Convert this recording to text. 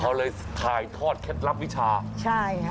เขาเลยถ่ายทอดเคล็ดลับวิชาใช่ค่ะ